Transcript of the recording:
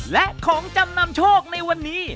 และของจำนำโชคในวันนี้